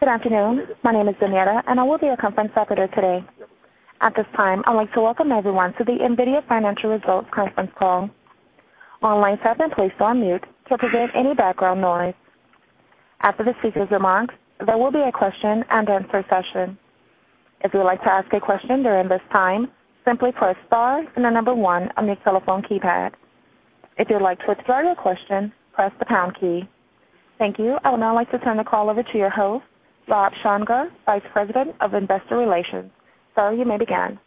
Good afternoon. My name is Tamara, and I will be your conference operator today. At this time, I'd like to welcome everyone to the NVIDIA Financial Results Conference Call. All lines have been placed on mute to prevent any background noise. After the speaker's remarks, there will be a question and answer session. If you would like to ask a question during this time, simply press star and the number one on your telephone keypad. If you would like to withdraw your question, press the pound key. Thank you. I would now like to turn the call over to your host, Rob Csongor, Vice President of Investor Relations. Sir, you may begin.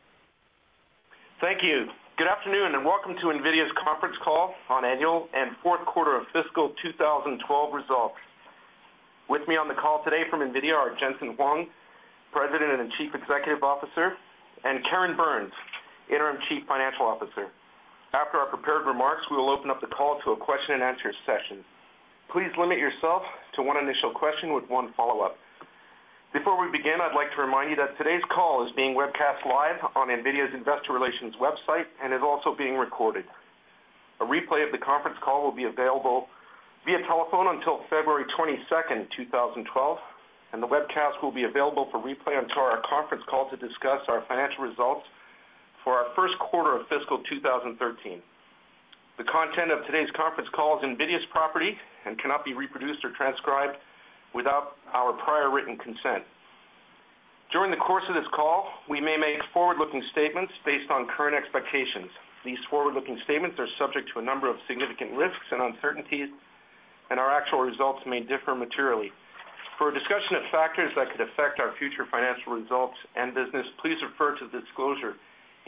Thank you. Good afternoon and welcome to NVIDIA's Conference Call on Annual and Fourth Quarter of Fiscal 2012 Results. With me on the call today from NVIDIA are Jensen Huang, President and Chief Executive Officer, and Karen Burns, Interim Chief Financial Officer. After our prepared remarks, we will open up the call to a question and answer session. Please limit yourself to one initial question with one follow-up. Before we begin, I'd like to remind you that today's call is being webcast live on NVIDIA's Investor Relations website and is also being recorded. A replay of the conference call will be available via telephone until February 22nd 2012, and the webcast will be available for replay until our conference call to discuss our financial results for our first quarter of fiscal 2013. The content of today's conference call is NVIDIA's property and cannot be reproduced or transcribed without our prior written consent. During the course of this call, we may make forward-looking statements based on current expectations. These forward-looking statements are subject to a number of significant risks and uncertainties, and our actual results may differ materially. For a discussion of factors that could affect our future financial results and business, please refer to the disclosure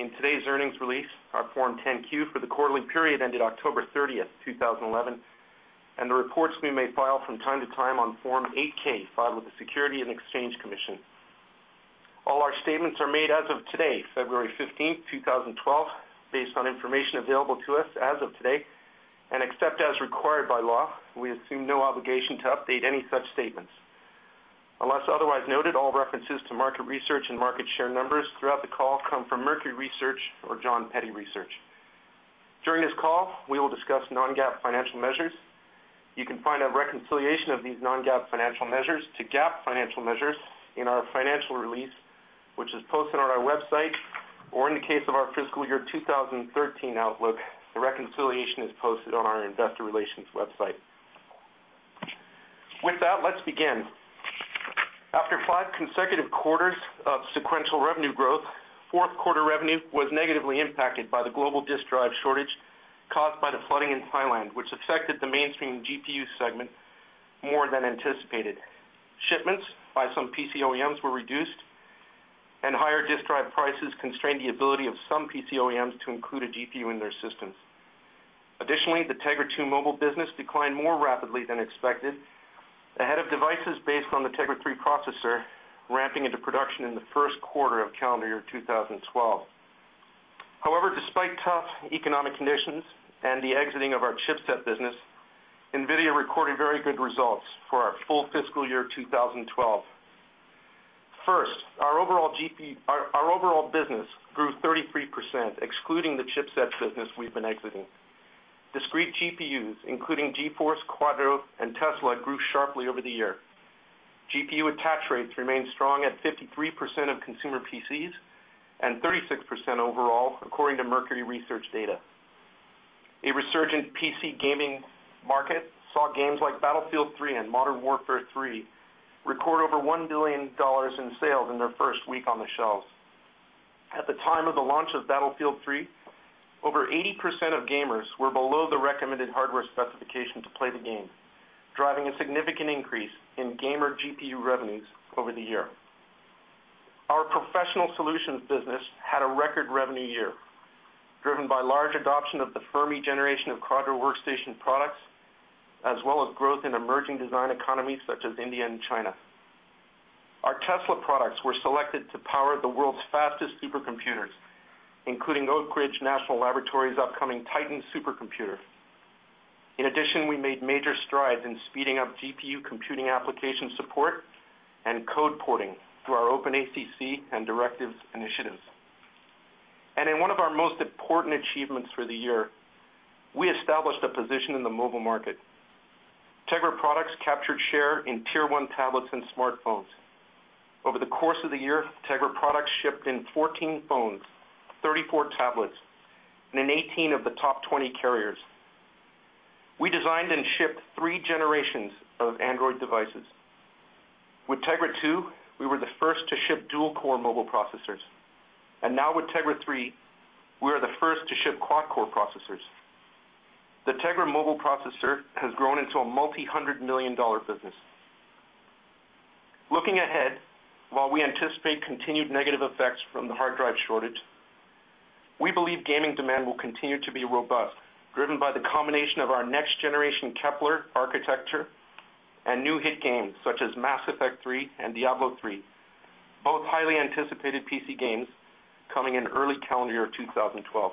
in today's earnings release, our Form 10-Q for the quarterly period ended October 30th 2011, and the reports we may file from time to time on Form 8-K filed with the Securities and Exchange Commission. All our statements are made as of today, February 15th 2012, based on information available to us as of today and except as required by law. We assume no obligation to update any such statements. Unless otherwise noted, all references to market research and market share numbers throughout the call come from Mercury Research or Jon Peddie Research. During this call, we will discuss non-GAAP financial measures. You can find a reconciliation of these non-GAAP financial measures to GAAP financial measures in our financial release, which is posted on our website, or in the case of our fiscal year 2013 outlook, the reconciliation is posted on our investor relations website. With that, let's begin. After five consecutive quarters of sequential revenue growth, fourth quarter revenue was negatively impacted by the global disk drive shortage caused by the flooding in Thailand, which affected the mainstream GPU segment more than anticipated. Shipments by some PC OEMs were reduced, and higher disk drive prices constrained the ability of some PC OEMs to include a GPU in their systems. Additionally, the Tegra 2 mobile business declined more rapidly than expected, ahead of devices based on the Tegra 3 processor ramping into production in the first quarter of calendar year 2012. However, despite tough economic conditions and the exiting of our chipset business, NVIDIA recorded very good results for our full fiscal year 2012. First, our overall business grew 33%, excluding the chipset business we've been exiting. Discrete GPUs, including GeForce, Quadro, and Tesla, grew sharply over the year. GPU attach rates remained strong at 53% of consumer PCs and 36% overall, according to Mercury Research data. A resurgent PC gaming market saw games like Battlefield 3 and Modern Warfare 3 record over $1 billion in sales in their first week on the shelves. At the time of the launch of Battlefield 3, over 80% of gamers were below the recommended hardware specification to play the game, driving a significant increase in gamer GPU revenues over the year. Our professional solutions business had a record revenue year, driven by large adoption of the Fermi generation of Quadro workstation products, as well as growth in emerging design economies such as India and China. Our Tesla products were selected to power the world's fastest supercomputers, including Oak Ridge National Laboratory's upcoming Titan supercomputer. In addition, we made major strides in speeding up GPU computing application support and code porting through our OpenACC and Directives initiatives. In one of our most important achievements for the year, we established a position in the mobile market. Tegra products captured share in Tier 1 tablets and smartphones. Over the course of the year, Tegra products shipped in 14 phones, 34 tablets, and in 18 of the top 20 carriers. We designed and shipped three generations of Android devices. With Tegra 2, we were the first to ship dual-core mobile processors, and now with Tegra 3, we are the first to ship quad-core processors. The Tegra mobile processor has grown into a multi-hundred million dollar business. Looking ahead, while we anticipate continued negative effects from the hard drive shortage, we believe gaming demand will continue to be robust, driven by the combination of our next-generation Kepler architecture and new hit games such as Mass Effect 3 and Diablo III, both highly anticipated PC games coming in early calendar year 2012.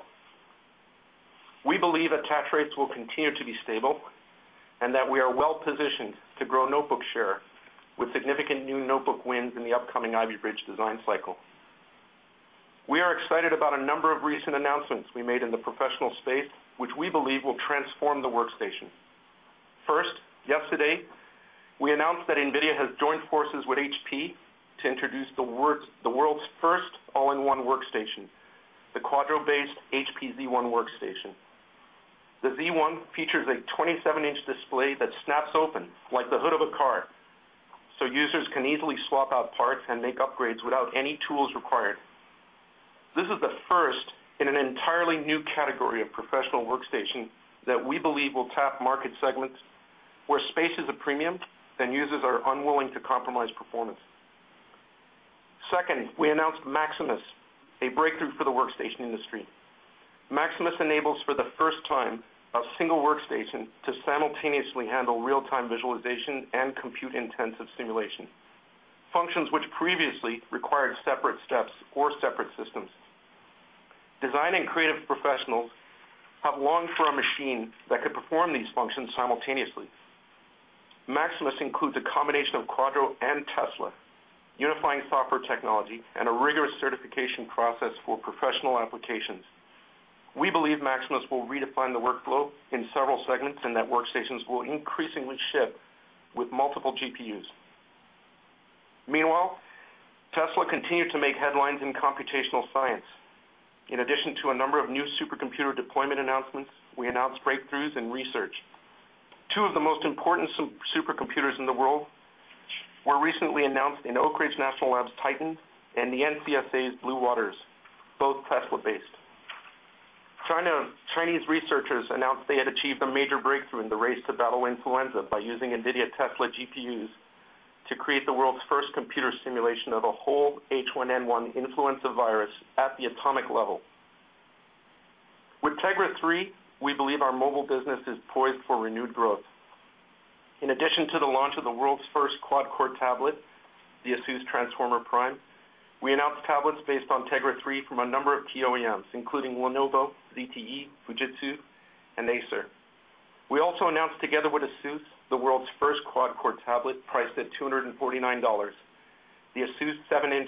We believe attach rates will continue to be stable and that we are well-positioned to grow notebook share with significant new notebook wins in the upcoming Ivy Bridge design cycle. We are excited about a number of recent announcements we made in the professional space, which we believe will transform the workstation. First, yesterday, we announced that NVIDIA has joined forces with HP to introduce the world's first all-in-one workstation, the Quadro-based HP Z1 workstation. The Z1 features a 27-in display that snaps open like the hood of a car, so users can easily swap out parts and make upgrades without any tools required. This is the first in an entirely new category of professional workstation that we believe will tap market segments where space is a premium and users are unwilling to compromise performance. Second, we announced Maximus, a breakthrough for the workstation industry. Maximus enables for the first time a single workstation to simultaneously handle real-time visualization and compute-intensive simulation, functions which previously required separate steps or separate systems. Design and creative professionals have longed for a machine that could perform these functions simultaneously. Maximus includes a combination of Quadro and Tesla, unifying software technology and a rigorous certification process for professional applications. We believe Maximus will redefine the workflow in several segments and that workstations will increasingly ship with multiple GPUs. Meanwhile, Tesla continued to make headlines in computational science. In addition to a number of new supercomputer deployment announcements, we announced breakthroughs in research. Two of the most important supercomputers in the world were recently announced in Oak Ridge National Laboratory's Titan and the NCSA's Blue Waters, both Tesla-based. Chinese researchers announced they had achieved a major breakthrough in the race to battle influenza by using NVIDIA Tesla GPUs to create the world's first computer simulation of the whole H1N1 influenza virus at the atomic level. With Tegra 3, we believe our mobile business is poised for renewed growth. In addition to the launch of the world's first quad-core tablet, the ASUS Transformer Prime, we announced tablets based on Tegra 3 from a number of key OEMs, including Lenovo, ZTE, Fujitsu, and Acer. We also announced together with ASUS the world's first quad-core tablet priced at $249, the ASUS 7-in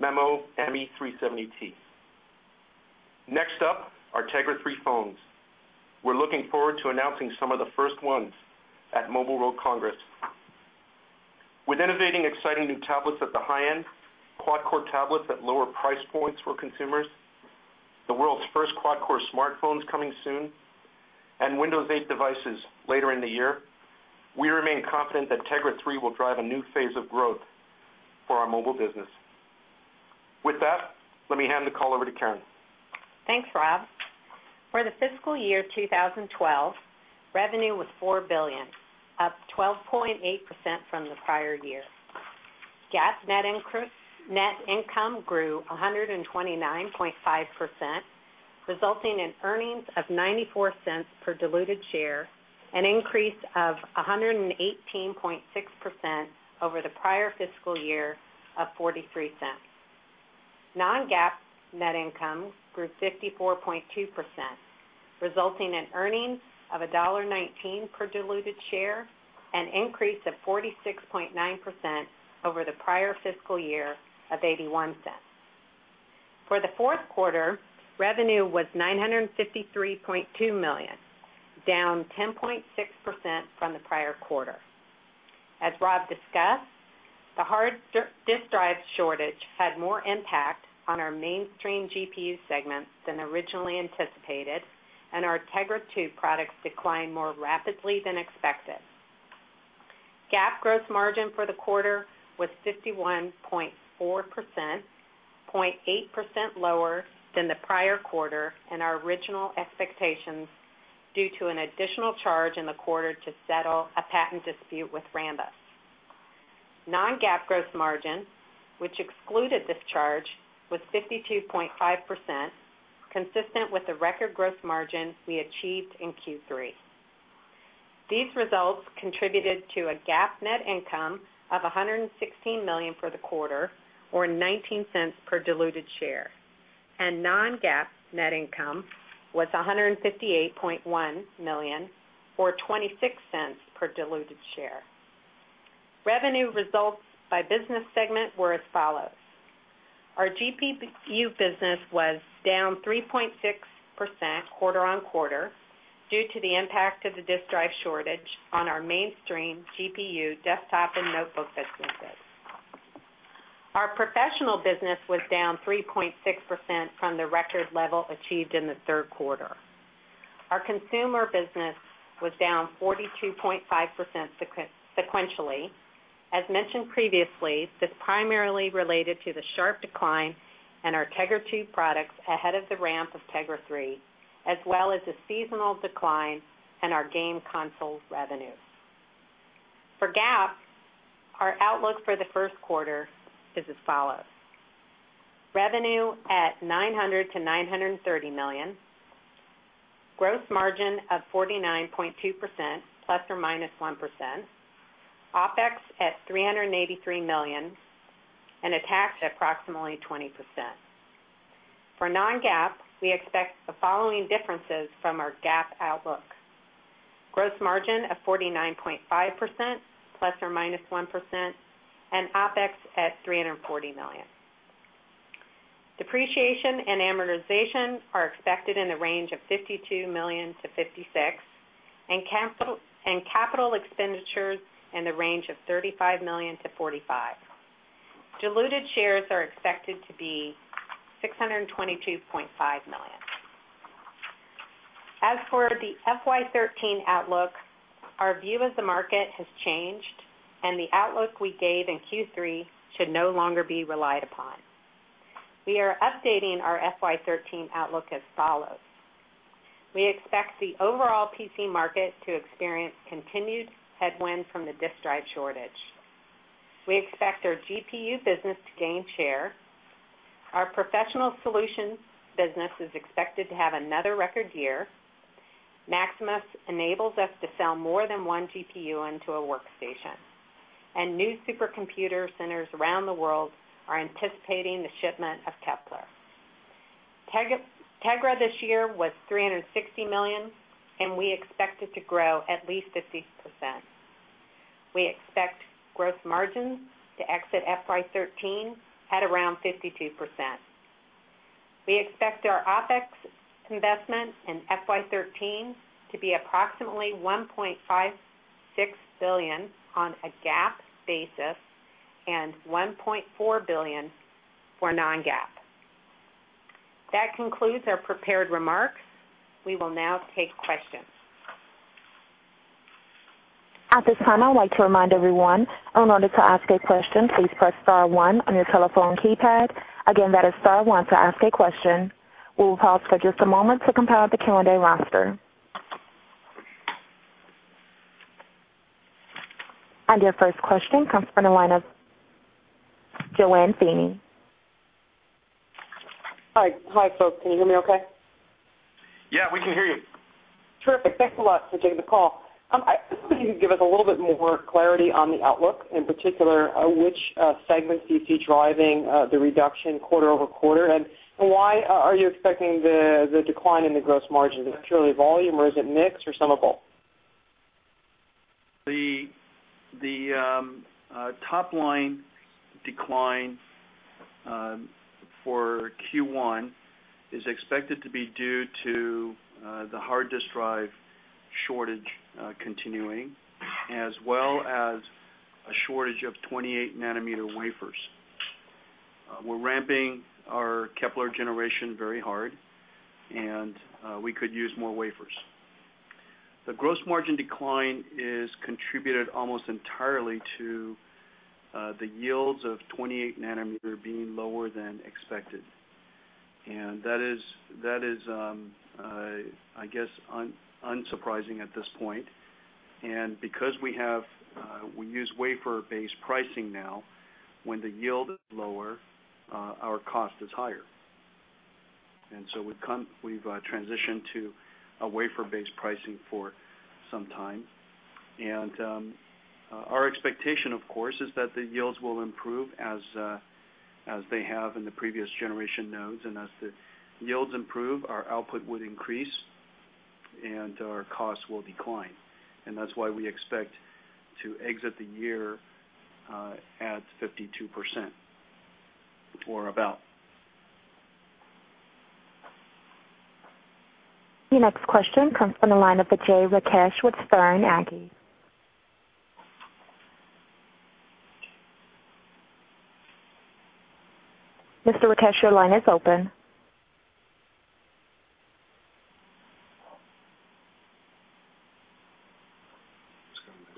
Memo ME370T. Next up are Tegra 3 phones. We're looking forward to announcing some of the first ones at Mobile World Congress. With innovating, exciting new tablets at the high end, quad-core tablets at lower price points for consumers, the world's first quad-core smartphones coming soon, and Windows 8 devices later in the year, we remain confident that Tegra 3 will drive a new phase of growth for our mobile business. With that, let me hand the call over to Karen. Thanks, Rob. For the fiscal year 2012, revenue was $4 billion, up 12.8% from the prior year. GAAP net income grew 129.5%, resulting in earnings of $0.94 per diluted share, an increase of 118.6% over the prior fiscal year of $0.43. Non-GAAP net income grew 54.2%, resulting in earnings of $1.19 per diluted share, an increase of 46.9% over the prior fiscal year of $0.81. For the fourth quarter, revenue was $953.2 million, down 10.6% from the prior quarter. As Rob discussed, the hard disk drive shortage had more impact on our mainstream GPU segments than originally anticipated, and our Tegra 2 products declined more rapidly than expected. GAAP gross margin for the quarter was 51.4%, 0.8% lower than the prior quarter and our original expectations due to an additional charge in the quarter to settle a patent dispute with Rambus. Non-GAAP gross margin, which excluded this charge, was 52.5%, consistent with the record gross margins we achieved in Q3. These results contributed to a GAAP net income of $116 million for the quarter, or $0.19 per diluted share, and non-GAAP net income was $158.1 million, or $0.26 per diluted share. Revenue results by business segment were as follows. Our GPU business was down 3.6% quarter on quarter due to the impact of the disk drive shortage on our mainstream GPU desktop and notebook businesses. Our professional business was down 3.6% from the record level achieved in the third quarter. Our consumer business was down 42.5% sequentially. As mentioned previously, this is primarily related to the sharp decline in our Tegra 2 products ahead of the ramp of Tegra 3, as well as a seasonal decline in our game console revenues. For GAAP, our outlook for the first quarter is as follows: revenue at $900 million-$930 million, gross margin of 49.2%, ±1%, OpEx at $383 million, and a tax. Approximately 20%. For non-GAAP, we expect the following differences from our GAAP outlook: gross margin of 49.5%, ±1% and OpEx at $340 million. Depreciation and amortization are expected in the range of $52 million-$56 million, and capital expenditures in the range of $35 million-$45 million. Diluted shares are expected to be 622.5 million. As for the FY 2013 outlook, our view of the market has changed, and the outlook we gave in Q3 should no longer be relied upon. We are updating our FY 2013 outlook as follows. We expect the overall PC market to experience continued headwind from the disk drive shortage. We expect our GPU business to gain share. Our professional solutions segment is expected to have another record year. Maximus enables us to sell more than one GPU into a workstation, and new supercomputer centers around the world are anticipating the shipment of Kepler. Tegra this year was $360 million, and we expect it to grow at least 50%. We expect gross margins to exit FY 2013 at around 52%. We expect our OpEx investment in FY 2013 to be approximately $1.56 billion on a GAAP basis and $1.4 billion for non-GAAP. That concludes our prepared remarks. We will now take questions. At this time, I would like to remind everyone, in order to ask a question, please press star one on your telephone keypad. Again, that is star one to ask a question. We will pause for just a moment to compile the Q&A roster. Your first question comes from the line of JoAnne Feeney. Hi, folks. Can you hear me okay? Yeah, we can hear you. Terrific. Thanks a lot for taking the call. I'm just thinking you could give us a little bit more clarity on the outlook, in particular, which segments do you see driving the reduction quarter over quarter? Why are you expecting the decline in the gross margins? Is it purely volume, or is it mixed, or some of both? The top line decline for Q1 is expected to be due to the hard disk drive shortage continuing, as well as a shortage of 28nm wafers. We're ramping our Kepler generation very hard, and we could use more wafers. The gross margin decline is contributed almost entirely to the yields of 28nm being lower than expected. That is, I guess, unsurprising at this point. Because we use wafer-based pricing now, when the yield is lower, our cost is higher. We've transitioned to a wafer-based pricing for some time. Our expectation, of course, is that the yields will improve as they have in the previous generation nodes. As the yields improve, our output would increase, and our costs will decline. That's why we expect to exit the year at 52% or about. The next question comes from the line of Vijay Rakesh with Stern Agee. Mr. Rakesh, your line is open.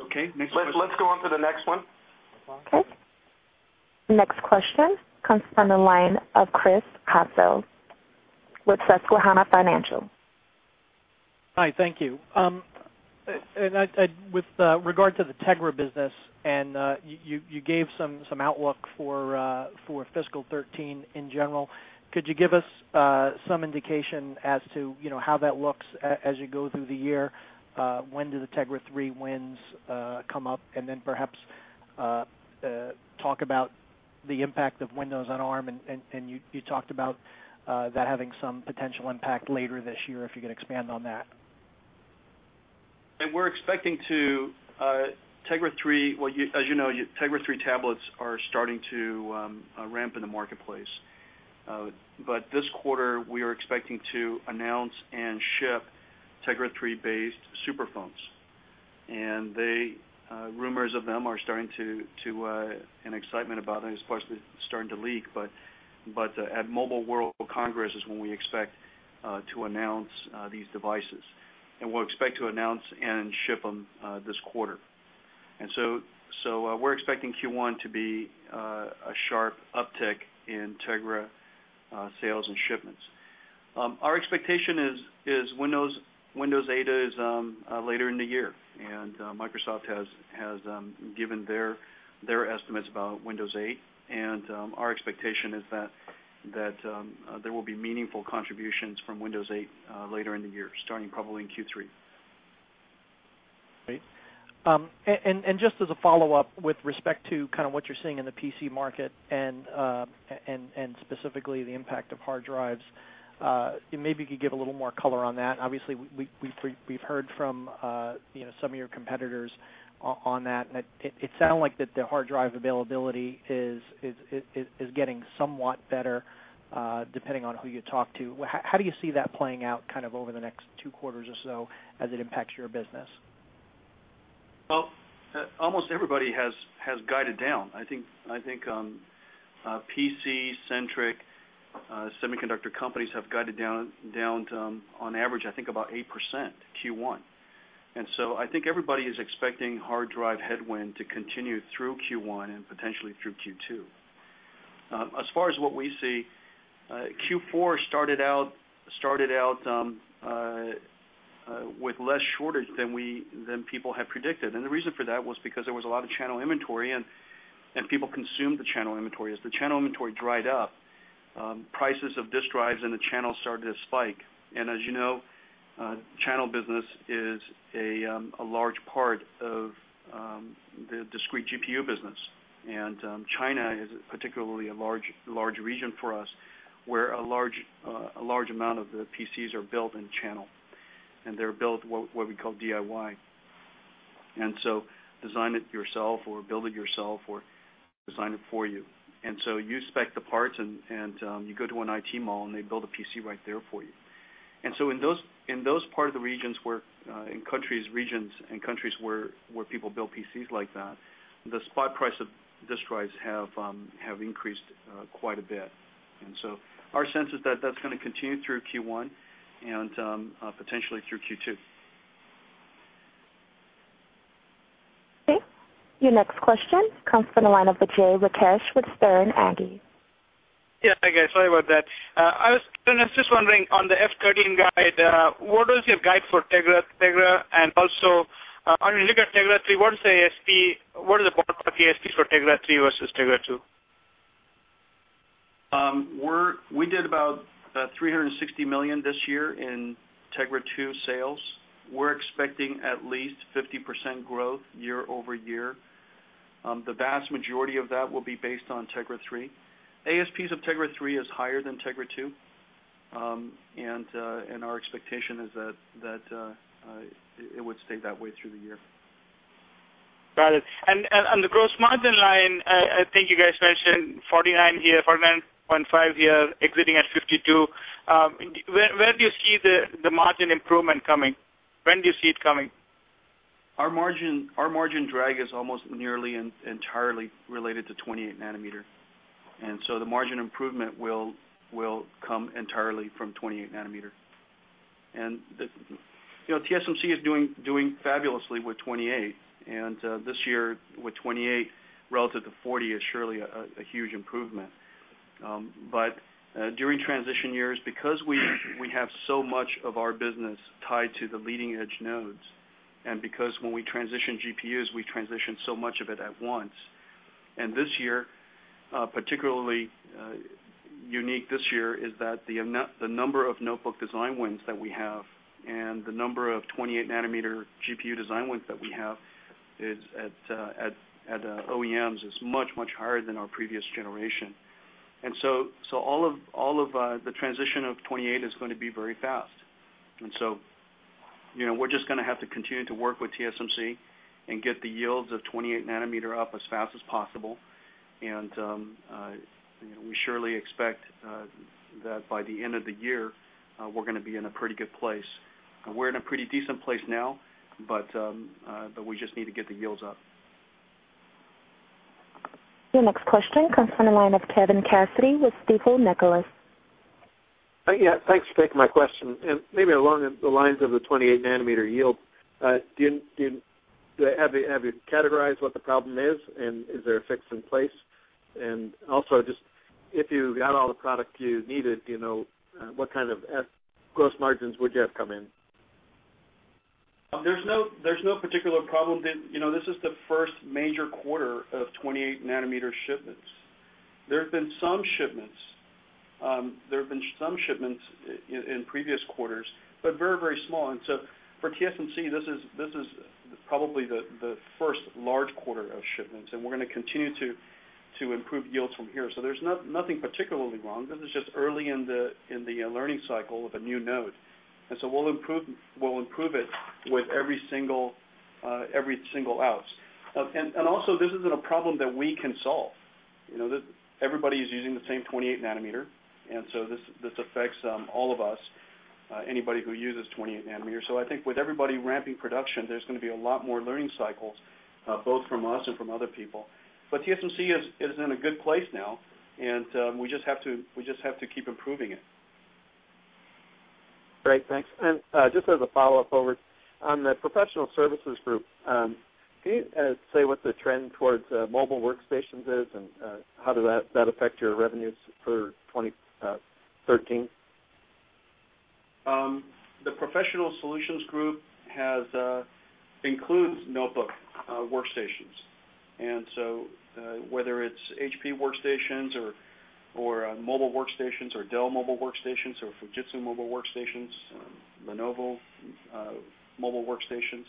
Okay, let's go on to the next one. Okay. Next question comes from the line of Chris Caso with Susquehanna Financial. Hi. Thank you. With regard to the Tegra business, and you gave some outlook for fiscal 2013 in general, could you give us some indication as to how that looks as you go through the year? When do the Tegra 3 wins come up? Perhaps talk about the impact of Windows on ARM. You talked about that having some potential impact later this year, if you could expand on that. We're expecting Tegra 3, as you know, Tegra 3 tablets are starting to ramp in the marketplace. This quarter, we are expecting to announce and ship Tegra 3-based superphones. Rumors of them are starting to, and excitement about it is possibly starting to leak. At Mobile World Congress is when we expect to announce these devices. We'll expect to announce and ship them this quarter. We're expecting Q1 to be a sharp uptick in Tegra sales and shipments. Our expectation is Windows 8 is later in the year. Microsoft has given their estimates about Windows 8. Our expectation is that there will be meaningful contributions from Windows 8 later in the year, starting probably in Q3. Great. Just as a follow-up with respect to kind of what you're seeing in the PC market and specifically the impact of hard drives, maybe you could give a little more color on that. Obviously, we've heard from some of your competitors on that. It sounds like the hard drive availability is getting somewhat better, depending on who you talk to. How do you see that playing out over the next two quarters or so as it impacts your business? Almost everybody has guided down. I think PC-centric semiconductor companies have guided down on average, I think about 8% Q1. I think everybody is expecting hard drive headwind to continue through Q1 and potentially through Q2. As far as what we see, Q4 started out with less shortage than people had predicted. The reason for that was because there was a lot of channel inventory, and people consumed the channel inventory. As the channel inventory dried up, prices of disk drives in the channel started to spike. As you know, channel business is a large part of the discrete GPU business. China is particularly a large region for us, where a large amount of the PCs are built in channel. They're built what we call DIY, so design it yourself or build it yourself or design it for you. You spec the parts, and you go to an IT mall, and they build a PC right there for you. In those parts of the regions and countries where people build PCs like that, the spot price of disk drives has increased quite a bit. Our sense is that that's going to continue through Q1 and potentially through Q2. Okay. Your next question comes from the line of Vijay Rakesh with Stern Agee. Yeah, hi, guys. Sorry about that. I was just wondering, on the F 2013 guide, what was your guide for Tegra? Also, I mean, look at Tegra 3. What is the ballpark ASPs for Tegra 3 versus Tegra 2? We did about $360 million this year in Tegra 2 sales. We're expecting at least 50% growth year-over-year. The vast majority of that will be based on Tegra 3. ASPs of Tegra 3 is higher than Tegra 2, and our expectation is that it would stay that way through the year. Got it. On the gross margin line, I think you guys mentioned 49%, 49.5%, exiting at 52%. Where do you see the margin improvement coming? When do you see it coming? Our margin drag is almost nearly entirely related to 28nm. The margin improvement will come entirely from 28nm. TSMC is doing fabulously with 28nm. This year, with 28nm relative to 40nm, is surely a huge improvement. During transition years, because we have so much of our business tied to the leading edge nodes, and because when we transition GPUs, we transition so much of it at once, this year is particularly unique. The number of notebook design wins that we have and the number of 28nm GPU design wins that we have at OEMs is much, much higher than our previous generation. All of the transition of 28nm is going to be very fast. We're just going to have to continue to work with TSMC and get the yields of 28nm up as fast as possible. We surely expect that by the end of the year, we're going to be in a pretty good place. We're in a pretty decent place now, but we just need to get the yields up. Your next question comes from the line of Kevin Cassidy with Stifel, Nicolaus. Yeah, thanks for taking my question. Maybe along the lines of the 28nm yield, do you have you categorized what the problem is, and is there a fix in place? Also, just if you got all the product you needed, you know what kind of gross margins would you have come in? There's no particular problem. You know this is the first major quarter of 28nm shipments. There have been some shipments in previous quarters, but very, very small. For TSMC, this is probably the first large quarter of shipments, and we're going to continue to improve yields from here. There's nothing particularly wrong. This is just early in the learning cycle of a new node, and we'll improve it with every single ounce. Also, this isn't a problem that we can solve. You know everybody is using the same 28nm, and this affects all of us, anybody who uses 28nm. I think with everybody ramping production, there's going to be a lot more learning cycles, both from us and from other people. TSMC is in a good place now, and we just have to keep improving it. Great. Thanks. Just as a follow-up over on the professional services group, can you say what the trend towards mobile workstations is, and how does that affect your revenues for 2013? The professional solutions group includes notebook workstations. Whether it's HP workstations, mobile workstations, Dell mobile workstations, Fujitsu mobile workstations, or Lenovo mobile workstations,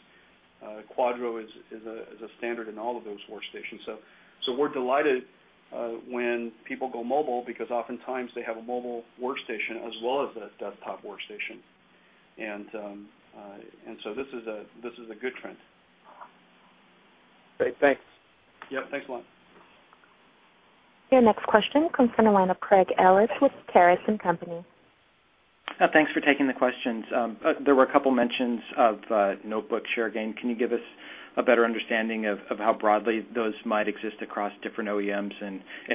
Quadro is a standard in all of those workstations. We are delighted when people go mobile because oftentimes they have a mobile workstation as well as a desktop workstation. This is a good trend. Great. Thanks. Yep, thanks a lot. Your next question comes from the line of Craig Ellis with Caris and Company. Yeah, thanks for taking the questions. There were a couple mentions of notebook share gain. Can you give us a better understanding of how broadly those might exist across different OEMs?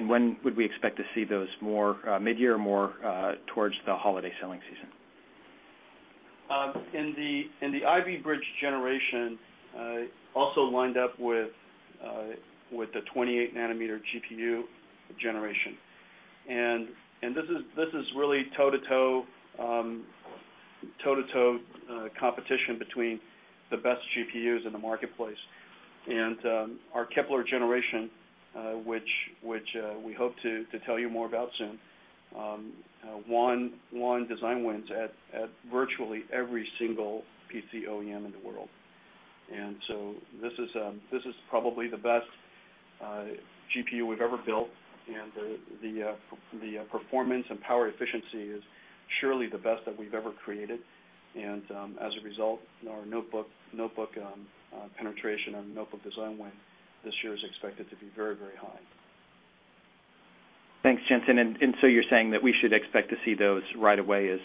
When would we expect to see those, more mid-year or more towards the holiday selling season? In the Ivy Bridge generation, also lined up with the 28nm GPU generation, this is really toe-to-toe competition between the best GPUs in the marketplace. Our Kepler generation, which we hope to tell you more about soon, won design wins at virtually every single PC OEM in the world. This is probably the best GPU we've ever built, and the performance and power efficiency is surely the best that we've ever created. As a result, our notebook penetration and notebook design win this year is expected to be very, very high. Thanks, Jensen. You're saying that we should expect to see those right away as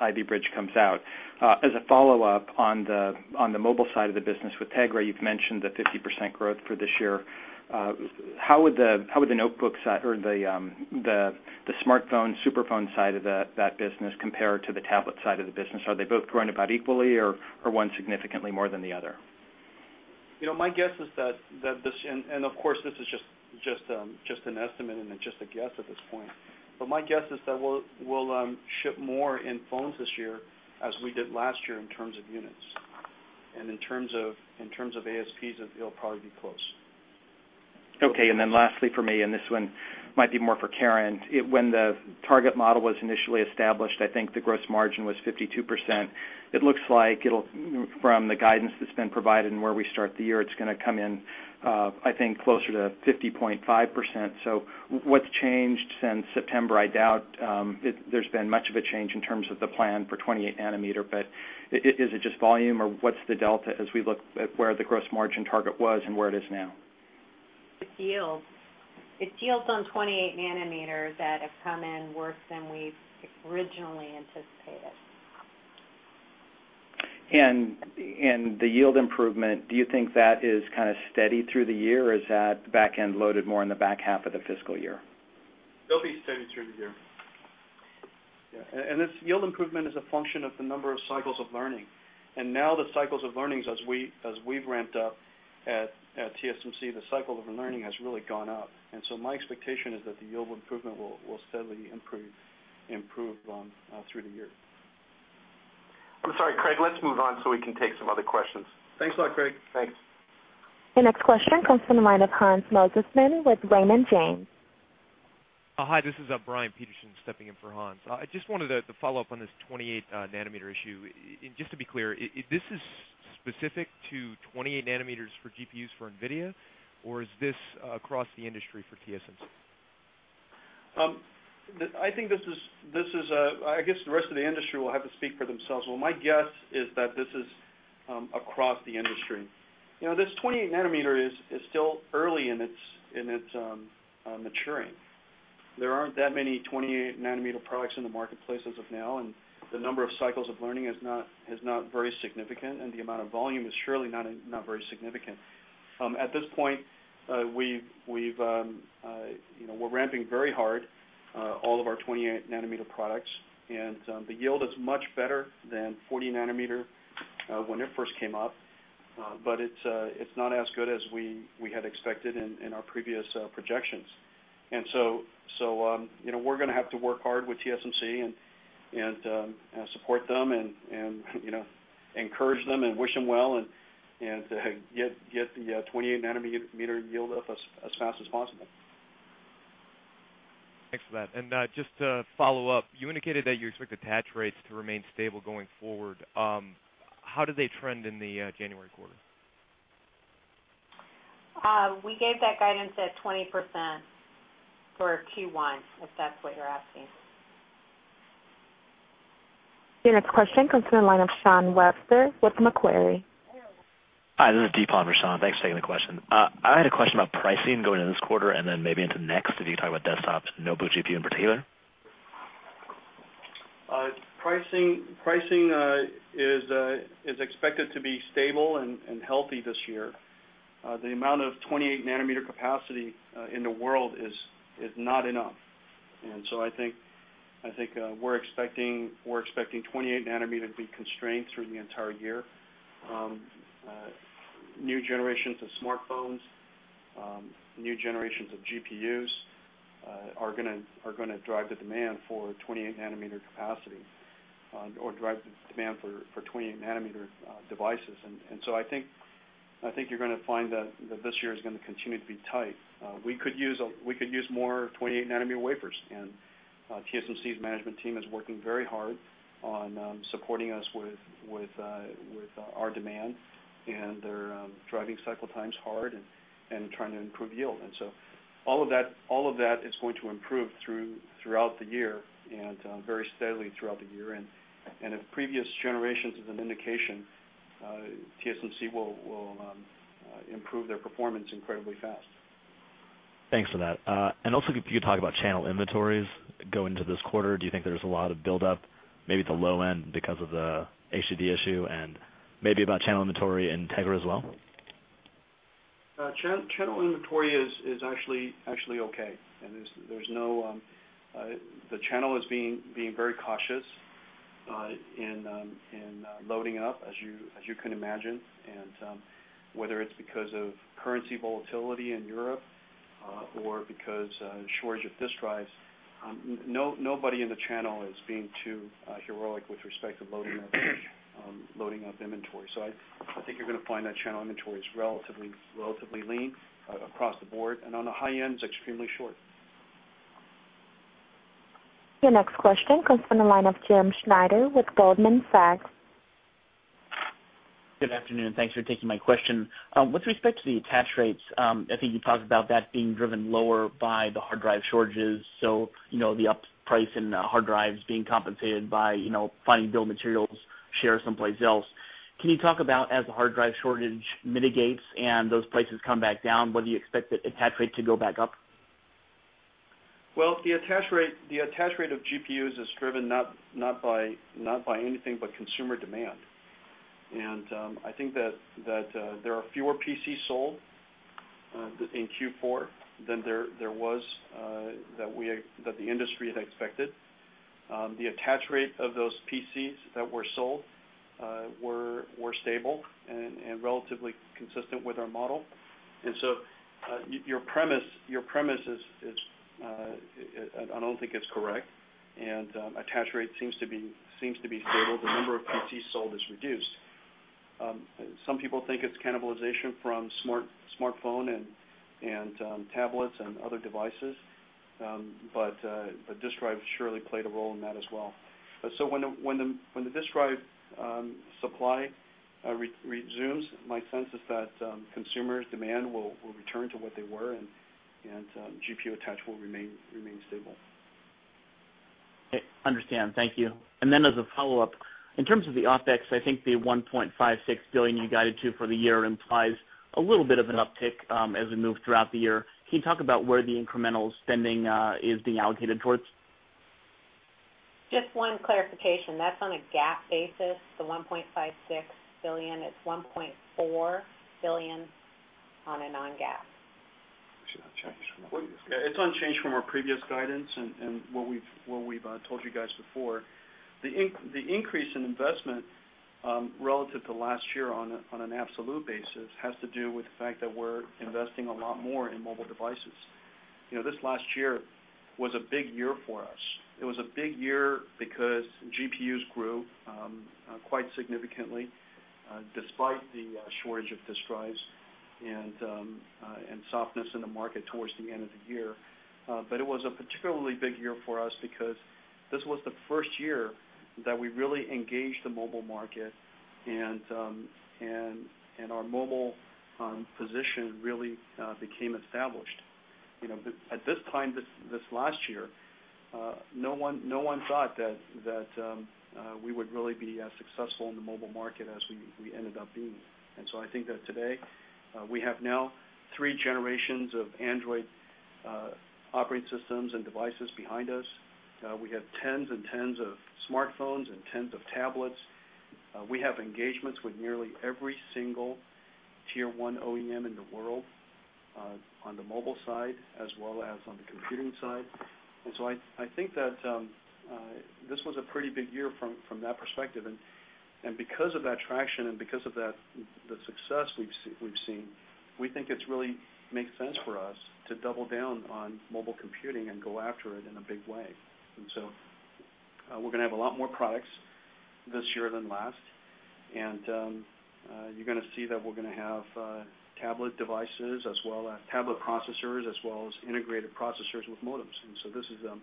Ivy Bridge comes out. As a follow-up on the mobile side of the business with Tegra, you've mentioned the 50% growth for this year. How would the notebook side or the smartphone superphone side of that business compare to the tablet side of the business? Are they both growing about equally, or one significantly more than the other? My guess is that this is just an estimate and just a guess at this point. My guess is that we'll ship more in phones this year as we did last year in terms of units, and in terms of ASPs, it'll probably be close. Okay. Lastly for me, and this one might be more for Karen, when the target model was initially established, I think the gross margin was 52%. It looks like it'll, from the guidance that's been provided and where we start the year, it's going to come in, I think, closer to 50.5%. What's changed since September? I doubt there's been much of a change in terms of the plan for 28nm. Is it just volume, or what's the delta as we look at where the gross margin target was and where it is now? It's yield on 28nm that have come in worse than we originally anticipated. Do you think that yield improvement is kind of steady through the year, or is that backend loaded more in the back half of the fiscal year? It'll be steady through the year. This yield improvement is a function of the number of cycles of learning. As we've ramped up at TSMC, the cycle of learning has really gone up. My expectation is that the yield improvement will steadily improve through the year. I'm sorry, Craig. Let's move on so we can take some other questions. Thanks a lot, Craig. Thanks. Your next question comes from the line of Hans Mosesmann with Raymond James. Hi, this is Brian Peterson stepping in for Hans. I just wanted to follow up on this 28nm issue. Just to be clear, this is specific to 28nm for GPUs for NVIDIA, or is this across the industry for TSMC? I think the rest of the industry will have to speak for themselves. My guess is that this is across the industry. You know this 28nm is still early in its maturing. There aren't that many 28nm products in the marketplace as of now, and the number of cycles of learning is not very significant, and the amount of volume is surely not very significant. At this point, we're ramping very hard, all of our 28nm products. The yield is much better than 40nm when it first came up, but it's not as good as we had expected in our previous projections. We're going to have to work hard with TSMC and support them and encourage them and wish them well and get the 28nm yield up as fast as possible. Thanks for that. Just to follow up, you indicated that you expect attach rates to remain stable going forward. How did they trend in the January quarter? We gave that guidance at 20% for Q1, if that's what you're asking. Your next question comes from the line of Shawn Webster with Macquarie. Hi, this is Deepon from Shawn. Thanks for taking the question. I had a question about pricing going into this quarter and then maybe into next. If you could talk about desktops, notebook GPU in particular. Pricing is expected to be stable and healthy this year. The amount of 28nm capacity in the world is not enough. I think we're expecting 28nm to be constraints for the entire year. New generations of smartphones and new generations of GPUs are going to drive the demand for 28nm capacity or drive the demand for 28nm devices. I think you're going to find that this year is going to continue to be tight. We could use more 28nm wafers. TSMC's management team is working very hard on supporting us with our demand. They're driving cycle times hard and trying to improve yield. All of that is going to improve throughout the year and very steadily throughout the year. If previous generations is an indication, TSMC will improve their performance incredibly fast. Thanks for that. Also, if you could talk about channel inventories going into this quarter, do you think there's a lot of buildup, maybe at the low end because of the HDD issue, and maybe about channel inventory in Tegra as well? Channel inventory is actually okay. The channel is being very cautious in loading up, as you can imagine. Whether it's because of currency volatility in Europe or because of a shortage of disk drives, nobody in the channel is being too heroic with respect to loading up inventory. I think you're going to find that channel inventory is relatively lean across the board, and on the high end, it's extremely short. Your next question comes from the line of Jim Schneider with Goldman Sachs. Good afternoon. Thanks for taking my question. With respect to the attach rates, I think you talked about that being driven lower by the hard drive shortages. The up price in hard drives being compensated by finding build materials share someplace else. Can you talk about as the hard drive shortage mitigates and those prices come back down, whether you expect the attach rate to go back up? The attach rate of GPUs is driven not by anything but consumer demand. I think that there are fewer PCs sold in Q4 than the industry had expected. The attach rate of those PCs that were sold was stable and relatively consistent with our model. Your premise is, I don't think it's correct. Attach rate seems to be stable. The number of PCs sold is reduced. Some people think it's cannibalization from smartphones and tablets and other devices. Disk drives surely played a role in that as well. When the disk drive supply resumes, my sense is that consumer demand will return to what they were, and GPU attach will remain stable. Okay. Understand. Thank you. In terms of the OpEx, I think the $1.56 billion you guided to for the year implies a little bit of an uptick as we move throughout the year. Can you talk about where the incremental spending is being allocated towards? Just one clarification. That's on a GAAP basis. The $1.56 billion, it's $1.4 billion on a non-GAAP. It's unchanged from our previous guidance and what we've told you guys before. The increase in investment relative to last year on an absolute basis has to do with the fact that we're investing a lot more in mobile devices. You know this last year was a big year for us. It was a big year because GPUs grew quite significantly despite the shortage of disk drives and softness in the market towards the end of the year. It was a particularly big year for us because this was the first year that we really engaged the mobile market, and our mobile position really became established. You know at this time, this last year, no one thought that we would really be successful in the mobile market as we ended up being. I think that today, we have now three generations of Android operating systems and devices behind us. We have tens and tens of smartphones and tens of tablets. We have engagements with nearly every single Tier 1 OEM in the world on the mobile side as well as on the computing side. I think that this was a pretty big year from that perspective. Because of that traction and because of the success we've seen, we think it really makes sense for us to double down on mobile computing and go after it in a big way. We're going to have a lot more products this year than last. You're going to see that we're going to have tablet devices as well as tablet processors as well as integrated processors with modems. This is an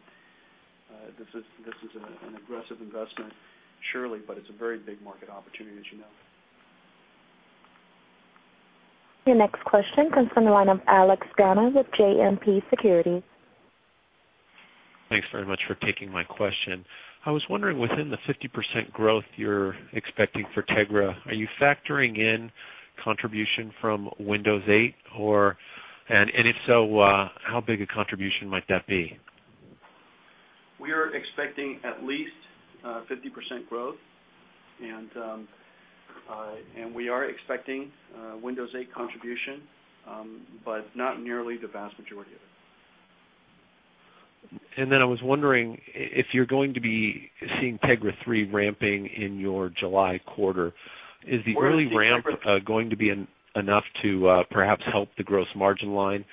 aggressive investment surely, but it's a very big market opportunity, as you know. Your next question comes from the line of Alex Guana with JMP Securities. Thanks very much for taking my question. I was wondering, within the 50% growth you're expecting for Tegra, are you factoring in contribution from Windows 8? If so, how big a contribution might that be? We are expecting at least 50% growth. We are expecting Windows 8 contribution, but not nearly the vast majority of it. I was wondering, if you're going to be seeing Tegra 3 ramping in your July quarter, is the early ramp going to be enough to perhaps help the gross margin line,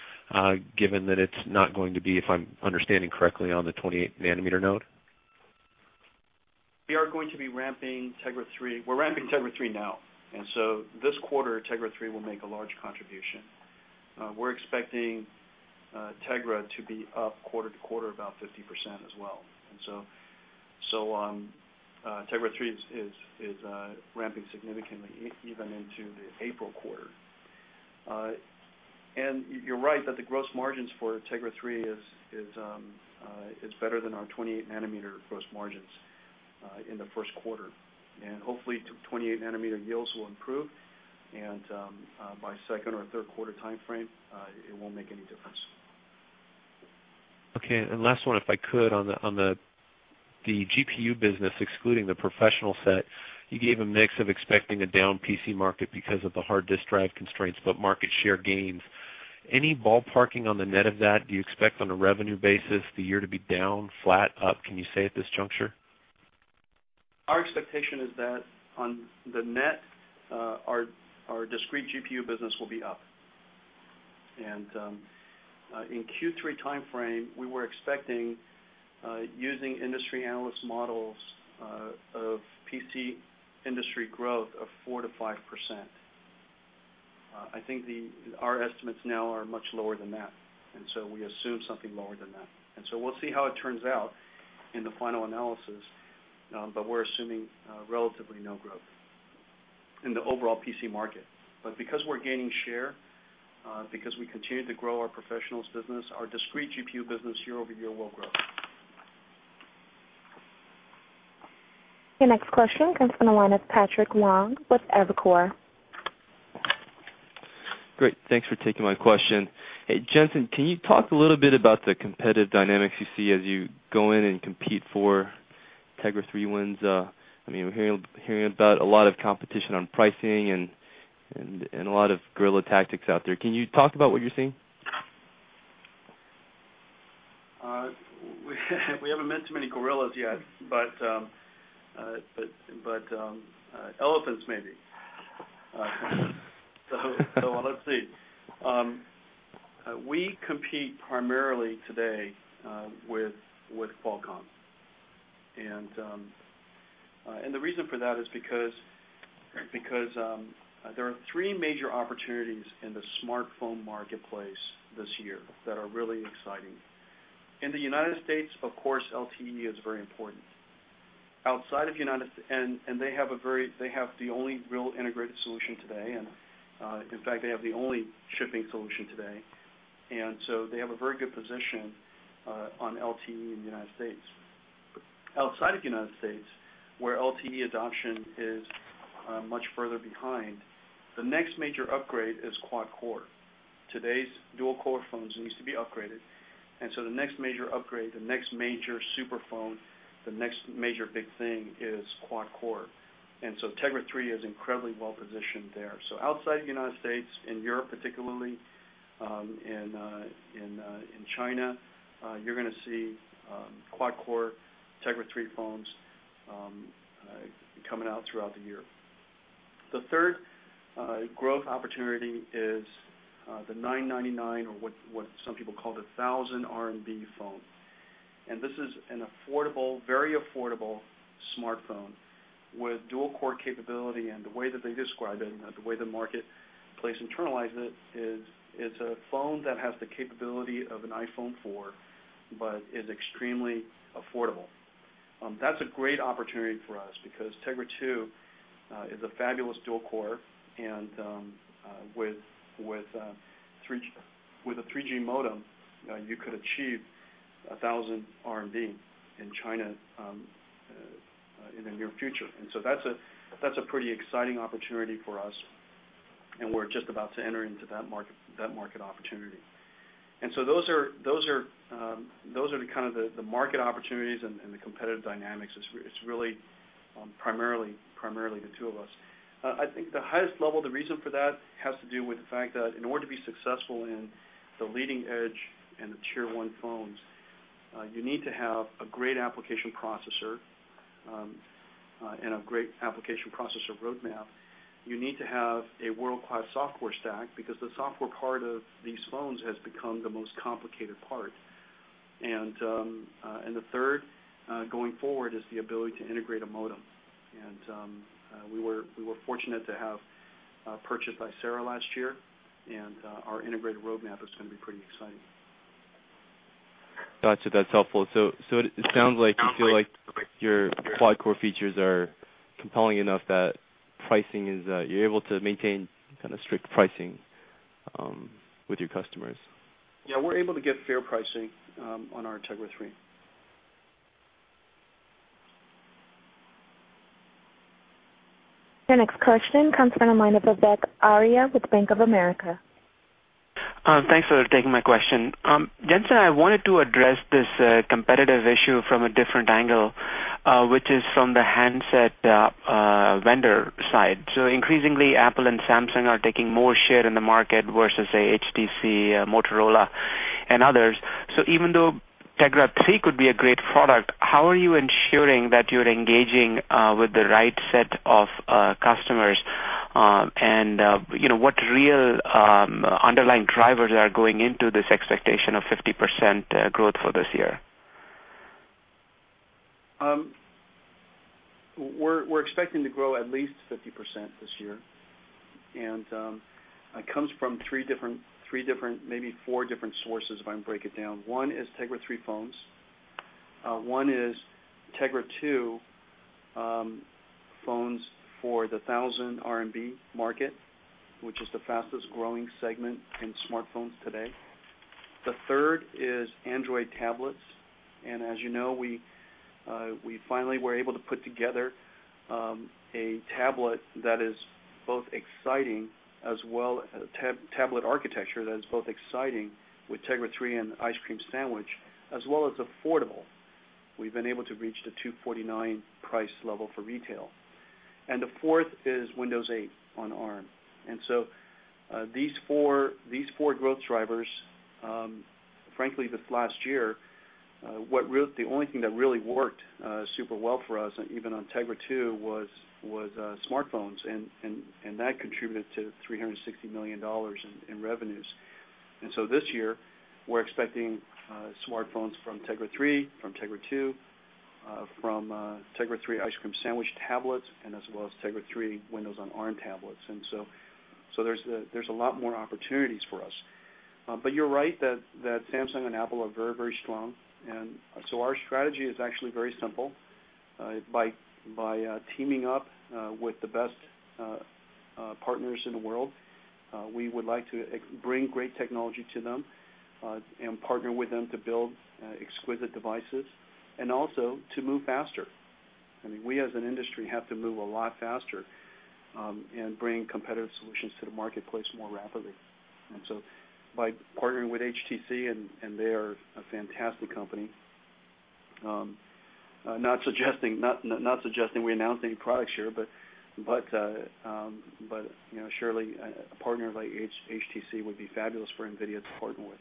given that it's not going to be, if I'm understanding correctly, on the 28nm node? We are going to be ramping Tegra 3. We're ramping Tegra 3 now, and this quarter, Tegra 3 will make a large contribution. We're expecting Tegra to be up quarter to quarter about 50% as well. Tegra 3 is ramping significantly even into the April quarter. You're right that the gross margins for Tegra 3 are better than our 28nm gross margins in the first quarter. Hopefully, 28nm yields will improve, and by the second or third quarter timeframe, it won't make any difference. Okay. Last one, if I could, on the GPU business, excluding the professional set, you gave a mix of expecting a down PC market because of the hard disk drive constraints, but market share gains. Any ballparking on the net of that? Do you expect on a revenue basis the year to be down, flat, up? Can you say at this juncture? Our expectation is that on the net, our discrete GPU business will be up. In the Q3 timeframe, we were expecting, using industry analyst models, PC industry growth of 4%-5%. I think our estimates now are much lower than that, so we assume something lower than that. We'll see how it turns out in the final analysis. We're assuming relatively no growth in the overall PC market. Because we're gaining share, and because we continue to grow our professional solutions segment, our discrete GPU business year over year will grow. Your next question comes from the line of Patrick Wang with Evercore. Great. Thanks for taking my question. Hey, Jensen, can you talk a little bit about the competitive dynamics you see as you go in and compete for Tegra 3 wins? I mean, we're hearing about a lot of competition on pricing and a lot of gorilla tactics out there. Can you talk about what you're seeing? We haven't met too many gorillas yet, but elephants maybe. Let's see. We compete primarily today with Qualcomm. The reason for that is because there are three major opportunities in the smartphone marketplace this year that are really exciting. In the United States, LTE is very important. Outside of the United States, they have the only real integrated solution today. In fact, they have the only shipping solution today, so they have a very good position on LTE in the United States. Outside of the United States, where LTE adoption is much further behind, the next major upgrade is quad-core. Today's dual-core phones need to be upgraded. The next major upgrade, the next major superphone, the next major big thing is quad-core. Tegra 3 is incredibly well positioned there. Outside of the United States, in Europe particularly, in China, you're going to see quad-core Tegra 3 phones coming out throughout the year. The third growth opportunity is the 999 or what some people call the 1,000 RMB phone. This is an affordable, very affordable smartphone with dual-core capability. The way that they describe it and the way the marketplace internalizes it is it's a phone that has the capability of an iPhone 4, but is extremely affordable. That's a great opportunity for us because Tegra 2 is a fabulous dual-core. With a 3G modem, you could achieve 1,000 RMB in China in the near future. That's a pretty exciting opportunity for us. We're just about to enter into that market opportunity. Those are the kind of the market opportunities and the competitive dynamics. It's really primarily the two of us. I think at the highest level, the reason for that has to do with the fact that in order to be successful in the leading edge and the tier one phones, you need to have a great application processor and a great application processor roadmap. You need to have a world-class software stack because the software part of these phones has become the most complicated part. The third going forward is the ability to integrate a modem. We were fortunate to have purchased Icera last year. Our integrated roadmap is going to be pretty exciting. That's helpful. It sounds like you feel like your quad-core features are compelling enough that pricing is you're able to maintain kind of strict pricing with your customers. Yeah, we're able to get fair pricing on our Tegra 3. Your next question comes from the line of Vivek Arya with Bank of America. Thanks for taking my question. Jensen, I wanted to address this competitive issue from a different angle, which is from the handset vendor side. Increasingly, Apple and Samsung are taking more share in the market versus, say, HTC, Motorola, and others. Even though Tegra 3 could be a great product, how are you ensuring that you're engaging with the right set of customers? What real underlying drivers are going into this expectation of 50% growth for this year? We're expecting to grow at least 50% this year. It comes from three different, maybe four different sources, if I can break it down. One is Tegra 3 phones. One is Tegra 2 phones for the 1,000 RMB market, which is the fastest growing segment in smartphones today. The third is Android tablets. As you know, we finally were able to put together a tablet that is both exciting, as well as a tablet architecture that is both exciting with Tegra 3 and Ice Cream Sandwich, as well as affordable. We've been able to reach the $249 price level for retail. The fourth is Windows 8 on ARM. These four growth drivers, frankly, this last year, the only thing that really worked super well for us, even on Tegra 2, was smartphones. That contributed to $360 million in revenues. This year, we're expecting smartphones from Tegra 3, from Tegra 2, from Tegra 3 Ice Cream Sandwich tablets, as well as Tegra 3 Windows on ARM tablets. There's a lot more opportunities for us. You're right that Samsung and Apple are very, very strong. Our strategy is actually very simple. By teaming up with the best partners in the world, we would like to bring great technology to them and partner with them to build exquisite devices and also to move faster. We as an industry have to move a lot faster and bring competitive solutions to the marketplace more rapidly. By partnering with HTC, and they are a fantastic company, not suggesting we announce any products here, but surely a partner like HTC would be fabulous for NVIDIA to partner with.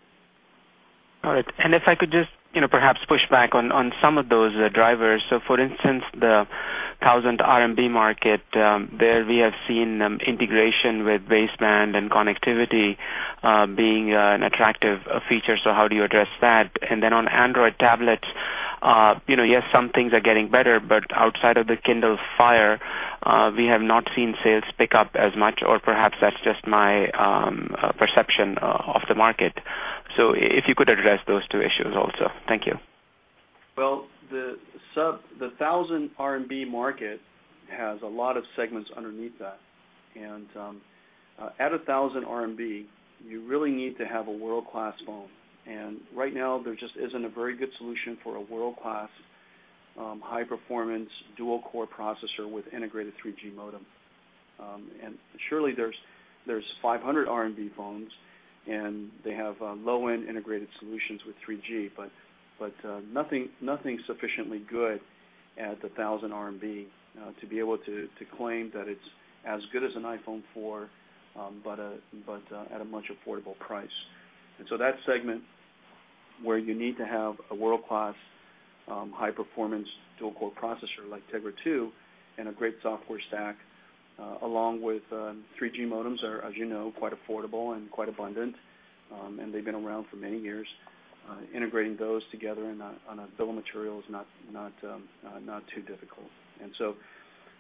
Got it. If I could just perhaps push back on some of those drivers. For instance, the 1,000 RMB market, there we have seen integration with base band and connectivity being an attractive feature. How do you address that? On Android tablets, yes, some things are getting better, but outside of the Kindle Fire, we have not seen sales pick up as much, or perhaps that's just my perception of the market. If you could address those two issues also. Thank you. The 1,000 RMB market has a lot of segments underneath that. At 1,000 RMB, you really need to have a world-class phone. Right now, there just isn't a very good solution for a world-class, high-performance dual-core processor with integrated 3G modem. Surely, there are 500 RMB phones, and they have low-end integrated solutions with 3G, but nothing sufficiently good at the 1,000 RMB to be able to claim that it's as good as an iPhone 4, but at a much more affordable price. That segment, where you need to have a world-class, high-performance dual-core processor like Tegra 2 and a great software stack, along with 3G modems, is, as you know, quite affordable and quite abundant. They've been around for many years. Integrating those together on a bill of material is not too difficult.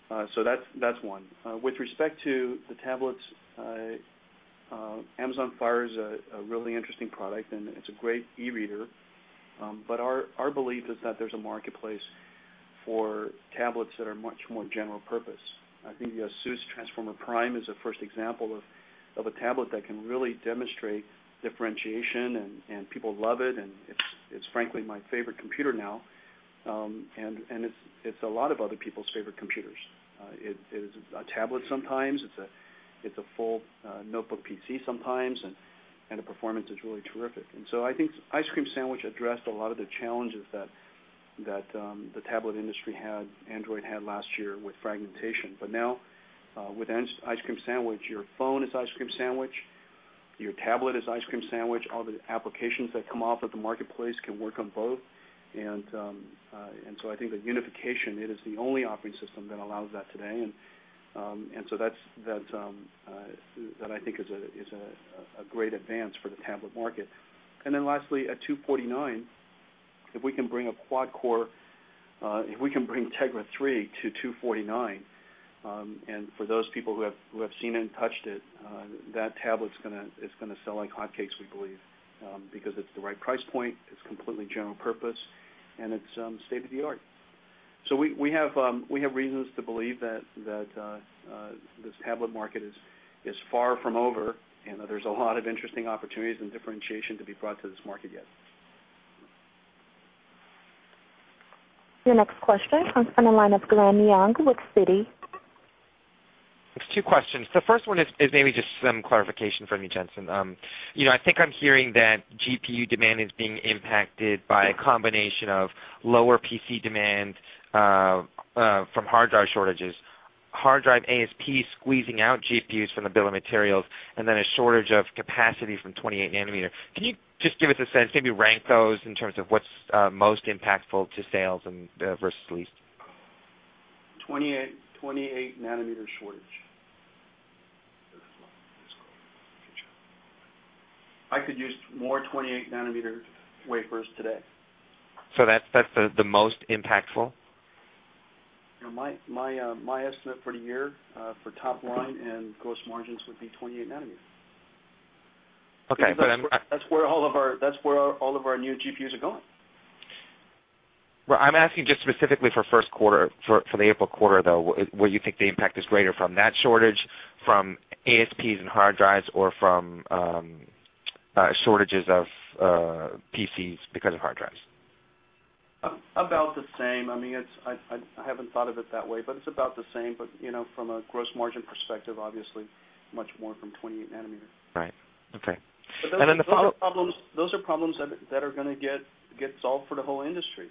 That's one. With respect to the tablets, Amazon Fire is a really interesting product, and it's a great e-reader. Our belief is that there's a marketplace for tablets that are much more general purpose. I think the ASUS Transformer Prime is a first example of a tablet that can really demonstrate differentiation, and people love it. It's, frankly, my favorite computer now, and it's a lot of other people's favorite computers. It is a tablet sometimes, it's a full notebook PC sometimes, and the performance is really terrific. I think Ice Cream Sandwich addressed a lot of the challenges that the tablet industry had, Android had last year with fragmentation. Now, with Ice Cream Sandwich, your phone is Ice Cream Sandwich, your tablet is Ice Cream Sandwich, and all the applications that come off of the marketplace can work on both. I think the unification, it is the only operating system that allows that today. That, I think, is a great advance for the tablet market. Lastly, at $249, if we can bring a quad-core, if we can bring Tegra 3 to $249, and for those people who have seen and touched it, that tablet is going to sell like hotcakes, we believe, because it's the right price point. It's completely general purpose, and it's state-of-the-art. We have reasons to believe that this tablet market is far from over, and there's a lot of interesting opportunities and differentiation to be brought to this market yet. Your next question comes from the line of Glenn Yeung with Citi. Thanks. Two questions. The first one is maybe just some clarification from you, Jensen. I think I'm hearing that GPU demand is being impacted by a combination of lower PC demand from hard drive shortages, hard drive ASPs squeezing out GPUs from the bill of materials, and then a shortage of capacity from 28nm. Can you just give us a sense, maybe rank those in terms of what's most impactful to sales versus leads? 28nm shortage. I could use more 28nm wafers today. That's the most impactful? My estimate for the year for top line and gross margins would be 28nm. Okay. That's where all of our new GPUs are going. Right. I'm asking just specifically for the first quarter, for the April quarter, where you think the impact is greater from that shortage, from ASPs and hard drives, or from shortages of PCs because of hard drives? About the same. I mean, I haven't thought of it that way, but it's about the same. You know, from a gross margin perspective, obviously, much more from 28nm. Right. Okay. Those are problems that are going to get solved for the whole industry.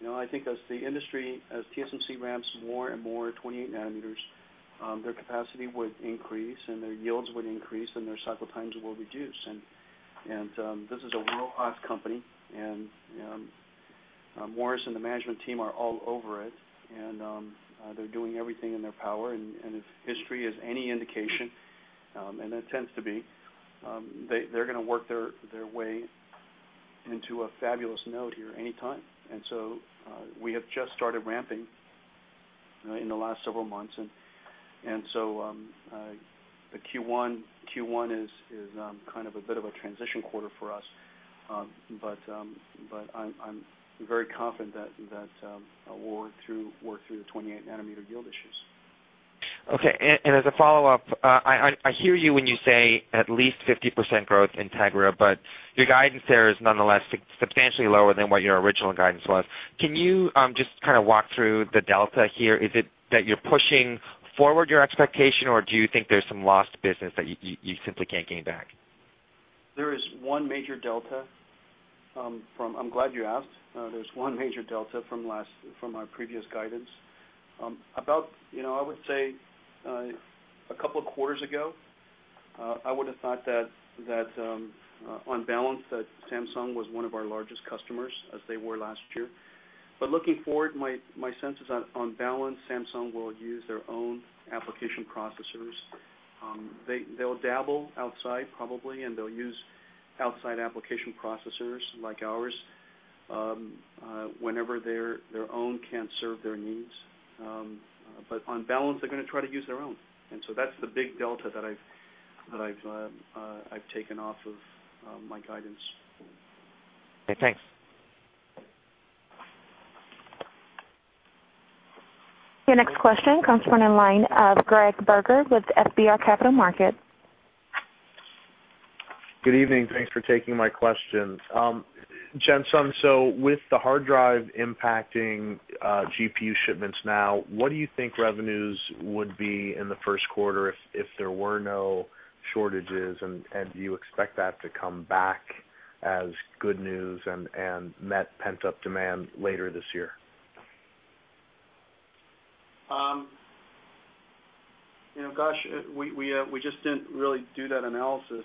You know, I think as the industry, as TSMC ramps more and more 28nm, their capacity would increase, their yields would increase, and their cycle times will reduce. This is a world-class company. Morris and the management team are all over it. They're doing everything in their power. If history has any indication, and it tends to be, they're going to work their way into a fabulous node here anytime. We have just started ramping in the last several months, so Q1 is kind of a bit of a transition quarter for us. I'm very confident that we'll work through the 28nm yield issues. Okay. As a follow-up, I hear you when you say at least 50% growth in Tegra, but your guidance there is nonetheless substantially lower than what your original guidance was. Can you just kind of walk through the delta here? Is it that you're pushing forward your expectation, or do you think there's some lost business that you simply can't gain back? There's one major delta from our previous guidance. About, you know, I would say a couple of quarters ago, I would have thought that on balance, Samsung was one of our largest customers, as they were last year. Looking forward, my sense is that on balance, Samsung will use their own application processors. They'll dabble outside probably, and they'll use outside application processors like ours whenever their own can't serve their needs. On balance, they're going to try to use their own. That's the big delta that I've taken off of my guidance. Okay. Thanks. Your next question comes from the line of Craig Berger with FBR Capital Markets. Good evening. Thanks for taking my questions. Jensen, with the hard drive impacting GPU shipments now, what do you think revenues would be in the first quarter if there were no shortages? Do you expect that to come back as good news and meet pent-up demand later this year? We just didn't really do that analysis.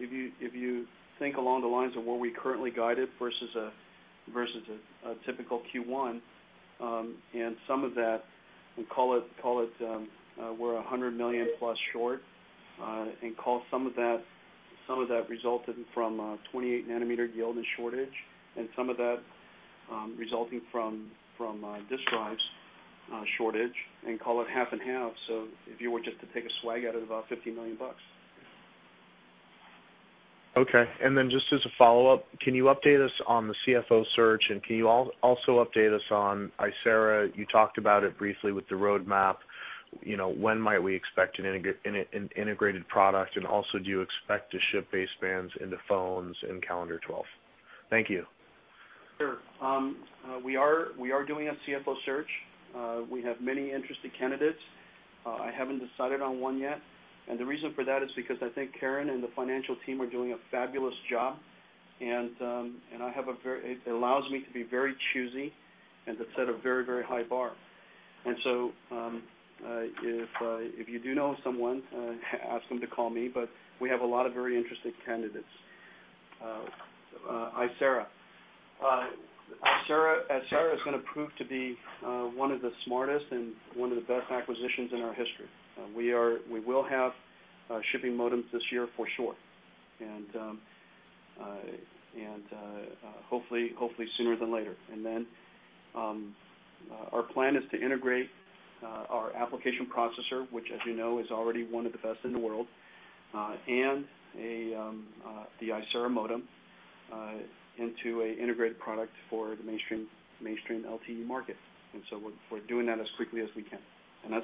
If you think along the lines of what we currently guided versus a typical Q1, and some of that, and call it we're $100+ million short, and call some of that resulting from a 28nm yield and shortage, and some of that resulting from disk drives shortage, and call it half and half. If you were just to take a swag out of about $50 million. Okay. Just as a follow-up, can you update us on the CFO search? Can you also update us on Icera? You talked about it briefly with the roadmap. You know, when might we expect an integrated product? Also, do you expect to ship basebands into phones in calendar 2012? Thank you. Sure. We are doing a CFO search. We have many interested candidates. I haven't decided on one yet. The reason for that is because I think Karen and the financial team are doing a fabulous job. It allows me to be very choosy and to set a very, very high bar. If you do know someone, ask them to call me. We have a lot of very interested candidates. Icera is going to prove to be one of the smartest and one of the best acquisitions in our history. We will have shipping modems this year for sure, and hopefully sooner than later. Our plan is to integrate our application processor, which, as you know, is already one of the best in the world, and the Icera modem into an integrated product for the mainstream LTE market. We are doing that as quickly as we can. That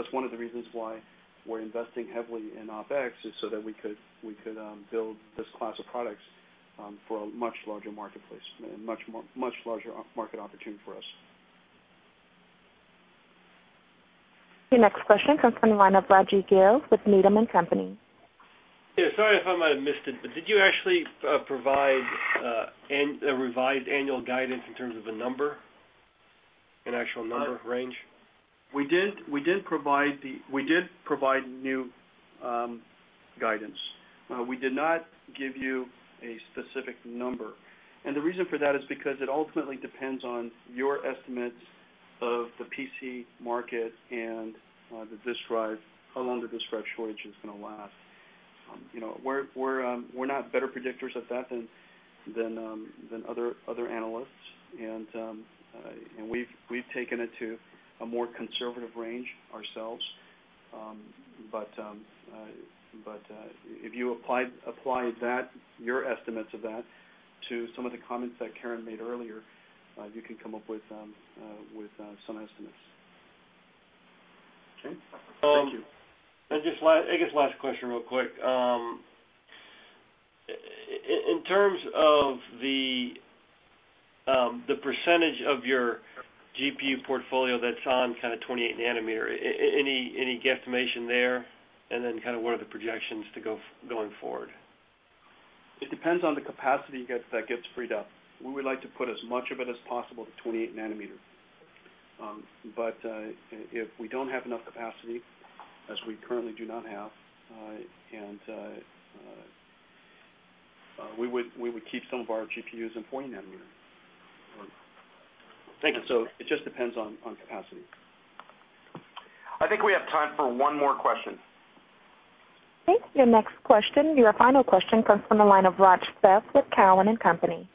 is one of the reasons why we're investing heavily in OpEx, so that we could build this class of products for a much larger marketplace and much larger market opportunity for us. Your next question comes from the line of Raji Gill with Needham & Company. Sorry if I might have missed it, but did you actually provide a revised annual guidance in terms of a number, an actual number range? We did provide new guidance. We did not give you a specific number. The reason for that is because it ultimately depends on your estimates of the PC market and the disk drive, how long the disk drive shortage is going to last. We're not better predictors at that than other analysts. We've taken it to a more conservative range ourselves. If you apply your estimates of that to some of the comments that Karen made earlier, you can come up with some estimates. Okay. Thank you. I guess, last question real quick. In terms of the percentage of your GPU portfolio that's on kind of 28nm, any guesstimation there? What are the projections going forward? It depends on the capacity that gets freed up. We would like to put as much of it as possible to 28nm. If we don't have enough capacity, as we currently do not have, we would keep some of our GPUs in 40nm. Thank you. It just depends on capacity. I think we have time for one more question. Okay. Your next question, your final question comes from the line of Raj Seth with Cowen and Company.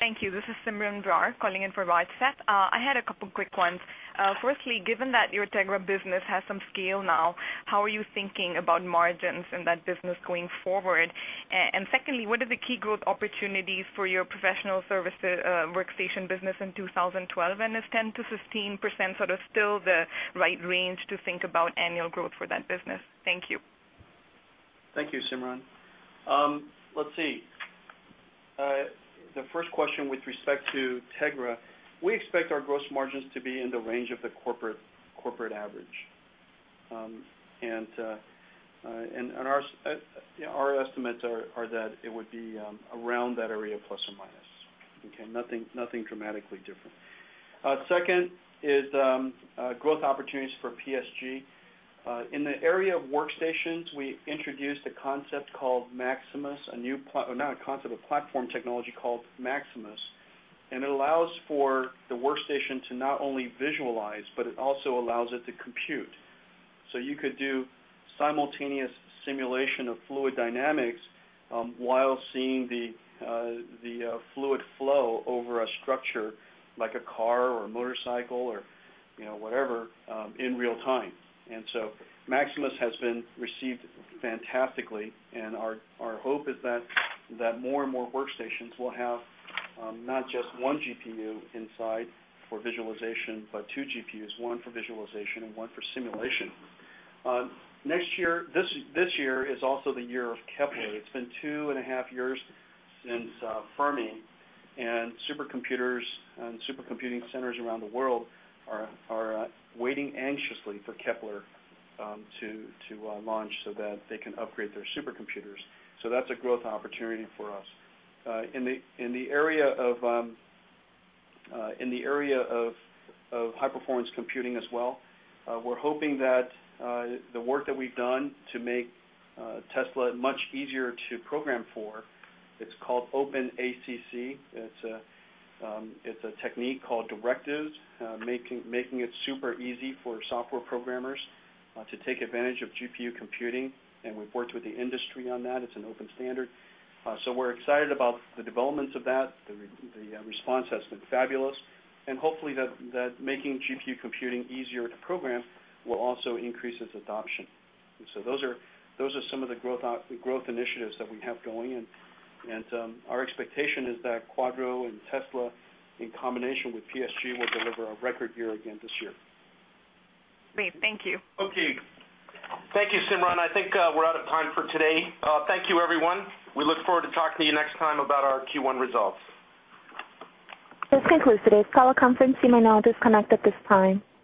Thank you. This is Simran Brar calling in for Raj Seth. I had a couple of quick ones. Firstly, given that your Tegra business has some scale now, how are you thinking about margins in that business going forward? Secondly, what are the key growth opportunities for your professional services workstation business in 2012? Is 10%-15% sort of still the right range to think about annual growth for that business? Thank you. Thank you, Simran. Let's see. The first question with respect to Tegra, we expect our gross margins to be in the range of the corporate average, and our estimates are that it would be around that area plus or minus. Nothing dramatically different. Second is the growth opportunities for PSG. In the area of workstations, we introduced a concept called Maximus, a new, or not a concept, a platform technology called Maximus. It allows for the workstation to not only visualize, but it also allows it to compute. You could do simultaneous simulation of fluid dynamics while seeing the fluid flow over a structure like a car or a motorcycle or whatever in real time. Maximus has been received fantastically, and our hope is that more and more workstations will have not just one GPU inside for visualization, but two GPUs, one for visualization and one for simulation. This year is also the year of Kepler. It's been two and a half years since Fermi, and supercomputers and supercomputing centers around the world are waiting anxiously for Kepler to launch so that they can upgrade their supercomputers. That's a growth opportunity for us. In the area of high-performance computing as well, we're hoping that the work that we've done to make Tesla much easier to program for, it's called OpenACC. It's a technique called Directive, making it super easy for software programmers to take advantage of GPU computing. We've worked with the industry on that. It's an open standard. We're excited about the developments of that. The response has been fabulous. Hopefully, that making GPU computing easier to program will also increase its adoption. Those are some of the growth initiatives that we have going, and our expectation is that Quadro and Tesla, in combination with PSG, will deliver a record year again this year. Great. Thank you. Okay. Thank you, Simran. I think we're out of time for today. Thank you, everyone. We look forward to talking to you next time about our Q1 results. This concludes today's conference call. You may now disconnect at this time.